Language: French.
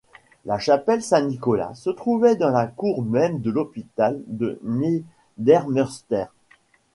La chapelle Saint-Nicolas se trouvait dans la cour même de l'hôpital de Niedermunster.